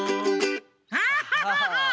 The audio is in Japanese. アハハハ！